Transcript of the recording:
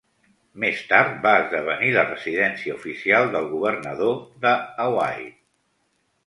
Més tard, va esdevenir la residència oficial del governador de Hawaii.